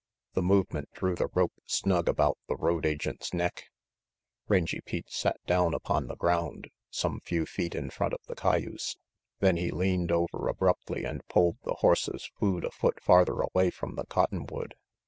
The movement drew the rope snug about the road agent's neck. RANGY PETE 91 Rangy Pete sat down upon the ground, some few feet in front of the cayuse. Then he leaned over abruptly and pulled the horse's food a foot farther away from the cotton wood.